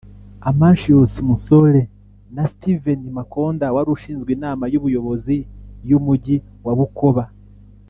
Amantius Msole na Steven Makonda wari ushinzwe inama y’ubuyobozi y’umujyi wa Bukoba